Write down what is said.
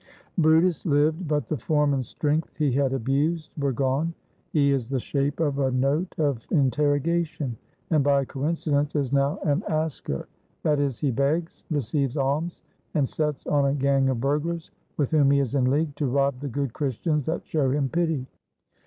brutus lived; but the form and strength he had abused were gone he is the shape of a note of interrogation, and by a coincidence is now an "asker," i.e., he begs, receives alms, and sets on a gang of burglars, with whom he is in league, to rob the good Christians that show him pity.